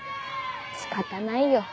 仕方ないよ